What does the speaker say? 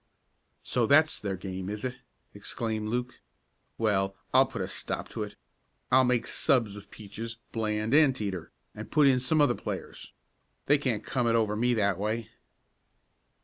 "So that's their game, is it?" exclaimed Luke. "Well, I'll put a stop to it. I'll make subs of Peaches, Bland and Teeter, and put in some other players. They can't come it over me that way."